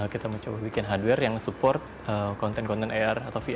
kita mencoba bikin hardware yang support konten konten ar atau vr